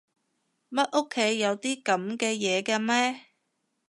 乜屋企有啲噉嘅嘢㗎咩？